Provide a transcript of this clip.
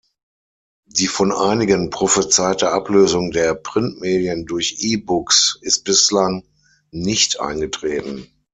Die von einigen prophezeite Ablösung der Printmedien durch E-Books ist bislang nicht eingetreten.